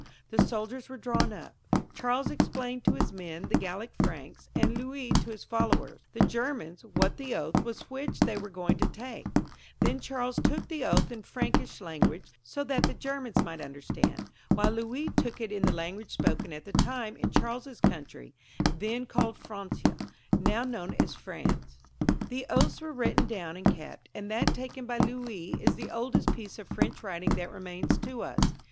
The soldiers were drawn up : Charles explained to his men, the Gallic Franks, and Louis to his followers, the Germans, what the oath was which they were going to take; then Charles took the oath in Frankish language, so that the Germans might understand, while Louis took it in the language spoken at that time in Charles's country, then ^called Francia, now known as France. The oaths were written down and kept, and that taken by Louis is the oldest piece of French writing that remains to us.